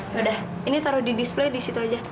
yaudah ini taruh di display disitu aja